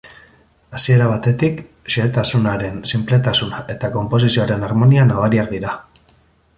Hasiera batetik, xehetasunen sinpletasuna eta konposizioaren armonia nabariak dira.